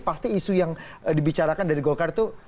pasti isu yang dibicarakan dari golkar itu